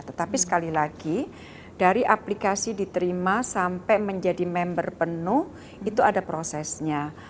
tetapi sekali lagi dari aplikasi diterima sampai menjadi member penuh itu ada prosesnya